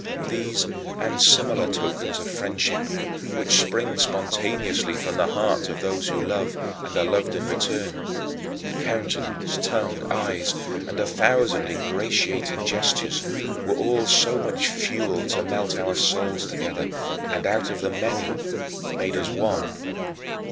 These and similar tokens of friendship, which spring spontaneously from the hearts of those who love and are loved in return in countenance, tongue, eyes, and a thousand ingratiating gestures were all so much fuel to melt our souls together, and out of the many made us one.